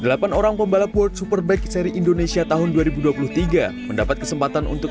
delapan orang pembalap world superbike seri indonesia tahun dua ribu dua puluh tiga mendapat kesempatan untuk